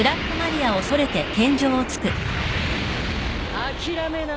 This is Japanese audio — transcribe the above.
諦めな。